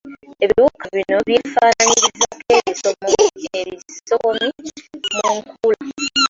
Ebiwuka bino byefaananyirizaako ebisokomi mu nkula.